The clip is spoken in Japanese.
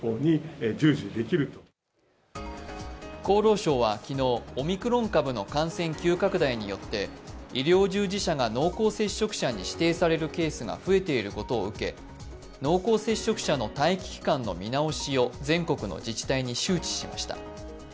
厚労省は昨日、オミクロン株の感染急拡大によって医療従事者が濃厚接触者に指定されるケースが増えていることを受け濃厚接触者の待機期間の見直しを全国の自治体に周知しました。